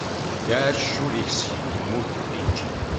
Iɛac ur yeksib, yemmut ur d-yeǧǧi.